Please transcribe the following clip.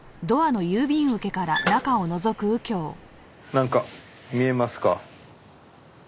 なんか見えますか？